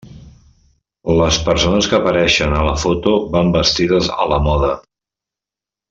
Les persones que apareixen a la foto van vestides a la moda.